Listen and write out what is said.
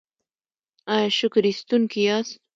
ایا شکر ایستونکي یاست؟